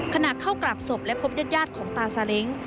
ขณะเข้ากราบศพและพบญาติของตาซาเล้ง